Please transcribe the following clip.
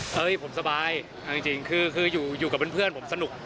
เฮ้ยผมสบายเอาจริงคืออยู่กับเพื่อนผมสนุก